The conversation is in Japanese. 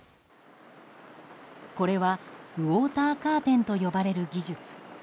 これは、ウォーターカーテンと呼ばれる技術。